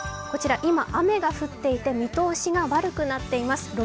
こちら今、雨が降っていて見通しが悪くなっています。